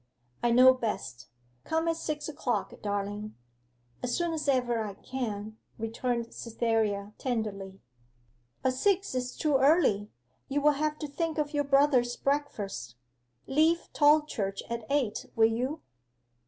'I know best. Come at six o'clock, darling.' 'As soon as ever I can,' returned Cytherea tenderly. 'But six is too early you will have to think of your brother's breakfast. Leave Tolchurch at eight, will you?